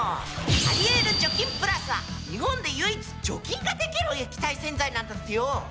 アリエール除菌プラスは日本で唯一除菌ができる液体洗剤なんだってよ